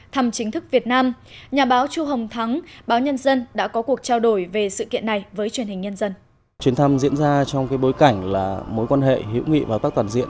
thăm chính thức việt nam nhà báo chu hồng thắng báo nhân dân đã có cuộc trao đổi về sự kiện này với truyền hình nhân dân